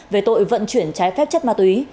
về tội vận chuyển trái phép chất ma túy